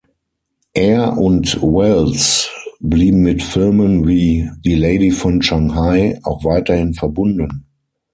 Er und Welles blieben mit Filmen wie "Die Lady von Shanghai" auch weiterhin verbunden.